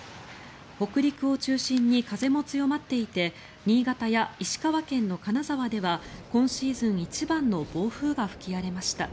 北陸を中心に風も強まっていて新潟や石川県の金沢では今シーズン一番の暴風が吹き荒れました。